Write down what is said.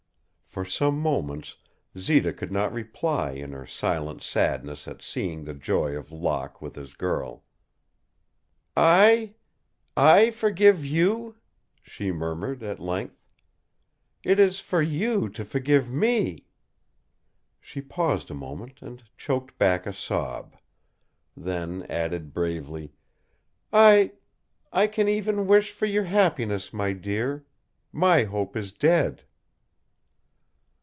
For some moments Zita could not reply in her silent sadness at seeing the joy of Locke with this girl. "I I forgive you?" she murmured, at length. "It is for you to forgive me." She paused a moment and choked back a sob; then added, bravely, "I I can even wish for your happiness, my dear; my hope is dead."